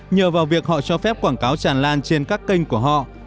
nhờ vào việc họ cho phép quảng cáo tràn lan trên các kênh của họ